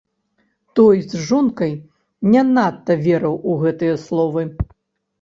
Той з жонкай не надта верыў у гэтыя словы.